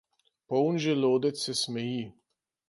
Poln želodec se smeji.